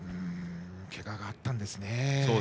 けががあったんですね。